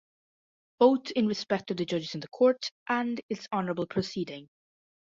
Both in respect of the judges in the court and its honourable proceeding.